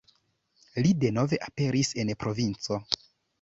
Li denove aperis en provinco.